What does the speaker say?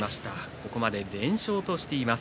ここまで連勝としています。